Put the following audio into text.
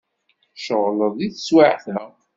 Tceɣleḍ deg teswiεt-a?